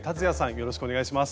よろしくお願いします。